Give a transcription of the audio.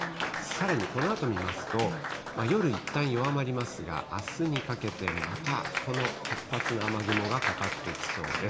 さらにこのあと見ますと、夜、いったん弱まりますが、あすにかけてまた、この活発な雨雲がかかってきそうです。